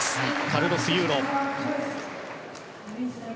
カルロス・ユーロ。